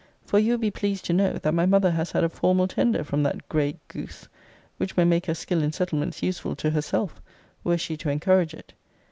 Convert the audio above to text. For you will be pleased to know, that my mother has had a formal tender from that grey goose, which may make her skill in settlements useful to herself, were she to encourage it.